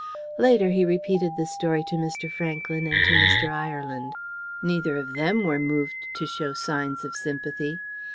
Later, he repeated the story to Mr. Franklyn and to Mr. Ireland. Neither of them were moved to show signs of sympathy.